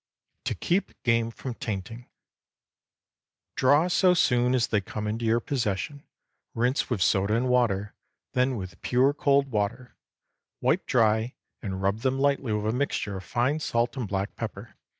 TO KEEP GAME FROM TAINTING. Draw so soon as they come into your possession; rinse with soda and water, then with pure cold water; wipe dry, and rub them lightly with a mixture of fine salt and black pepper.